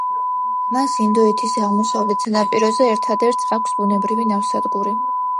მას ინდოეთის აღმოსავლეთ სანაპიროზე ერთადერთს აქვს ბუნებრივი ნავსადგური.